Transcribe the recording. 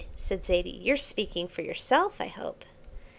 said Zaidie; "you're speaking for yourself, I hope."